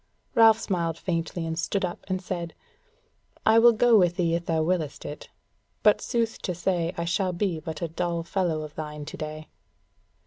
Ralph smiled faintly and stood up, and said: "I will go with thee if thou willest it, but sooth to say I shall be but a dull fellow of thine to day."